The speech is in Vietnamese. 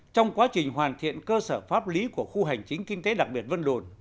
trong quá trình hoàn thiện cơ sở pháp lý của khu hành chính kinh tế đặc biệt vân đồn